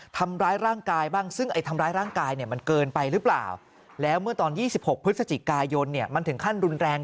ทำร้ายร่างกายบ้างซึ่งไอ้ทำร้ายร่างกายเนี่ยมันเกินไปหรือเปล่าแล้วเมื่อตอน๒๖พฤศจิกายนเนี่ยมันถึงขั้นรุนแรง